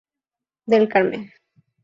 Del Carmen.